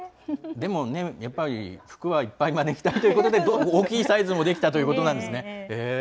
でもね、やっぱり福はいっぱい招きたいということで、大きいサイズも出来たということなんですね。